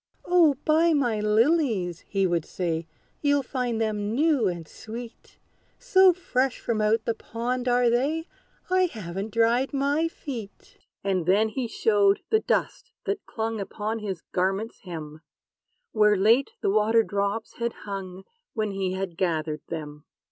"O buy my lilies!" he would say; "You'll find them new and sweet: So fresh from out the pond are they, I haven't dried my feet!" And then he showed the dust that clung Upon his garment's hem, Where late the water drops had hung, When he had gathered them.